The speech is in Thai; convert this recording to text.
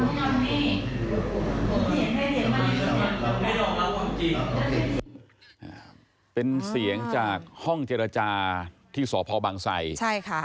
เป็นเสียงจริงเป็นเสียงจากห้องเจรจาที่สพบังไสใช่ค่ะ